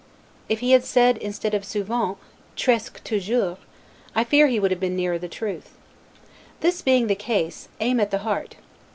If he had said, instead of 'souvent, tresque toujours', I fear he would have been nearer the truth. This being the case, aim at the heart.